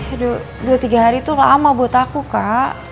aduh dua tiga hari itu lama buat aku kak